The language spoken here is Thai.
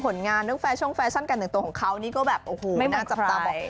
ผลงานฟัชน์กันตัวของเขานี่ก็แบบโอ้โหน่าจะจับตาบอก